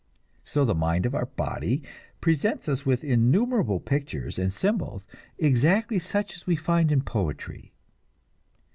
So the mind of our body presents us with innumerable pictures and symbols, exactly such as we find in poetry.